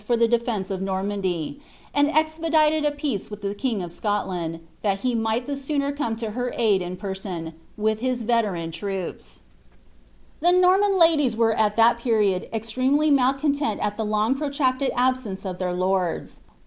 ^ defence of Normandy, and eipedilcJ a prate ivith tite king o[ Scotland, tlial he might the sooner cothb lo her aid iii person, with his veteran The Nonnan ladies were at that period extremely mBlcanteiil at the long protracted abBence of their lords.'